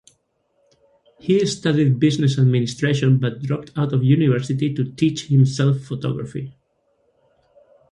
He studied business administration but dropped out of university to teach himself photography.